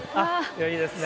いいですね。